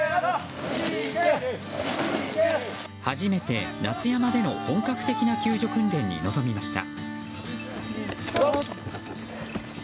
初めて夏山での本格的な救助訓練に臨みました。